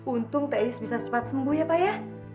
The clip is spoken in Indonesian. untung teknis bisa cepat sembuh ya pak ya